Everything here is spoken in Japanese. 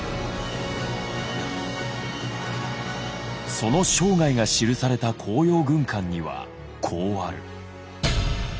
その生涯が記された「甲陽軍鑑」にはこうある。